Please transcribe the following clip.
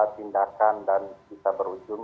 tindakan dan bisa berujung